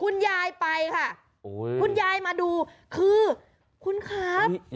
คุณยายไปค่ะอุ้ยคุณยายมาดูคือคุณครับอุ้ยยาย